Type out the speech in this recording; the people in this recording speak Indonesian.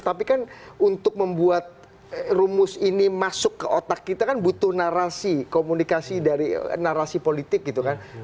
tapi kan untuk membuat rumus ini masuk ke otak kita kan butuh narasi komunikasi dari narasi politik gitu kan